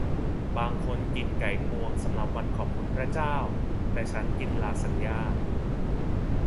บางคนกินไก่งวงสำหรับวันขอบคุณพระเจ้า แต่ฉันกินลาซานญ่า